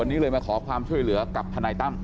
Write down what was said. วันนี้เลยมาขอความช่วยเหลือกับทนายตั้ม